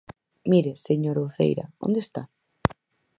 Mire, señora Uceira, ¿onde está?